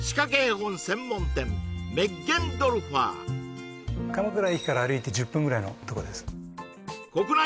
本専門店鎌倉駅から歩いて１０分ぐらいのとこです